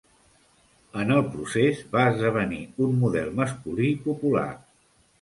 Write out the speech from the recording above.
En el procés, va esdevenir un model masculí popular.